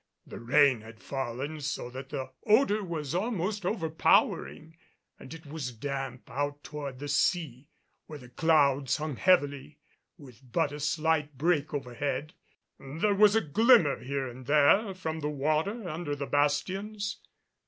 The rain had fallen so that the odor was almost overpowering, and it was damp out toward the sea, where the clouds hung heavily with but a slight break overhead. There was a glimmer here and there from the water under the bastions.